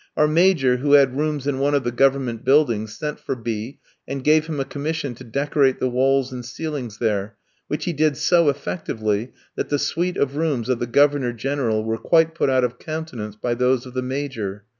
Our Major, who had rooms in one of the government buildings, sent for B in, and gave him a commission to decorate the walls and ceilings there, which he did so effectively, that the suite of rooms of the Governor General were quite put out of countenance by those of the Major.